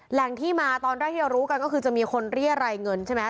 แหล่งที่มาตอนแรกที่เรารู้กันก็คือจะมีคนเรียรายเงินใช่ไหม